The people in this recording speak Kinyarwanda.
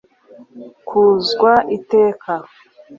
kuzwa iteka